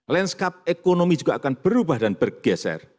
landscape ekonomi juga akan berubah dan bergeser